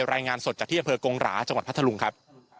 รายงานสดจากที่อำเภอกงหราจังหวัดพัทธลุงครับ